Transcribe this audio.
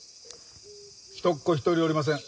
人っ子一人おりません。